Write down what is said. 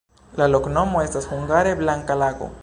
La loknomo estas hungare: blanka-lago.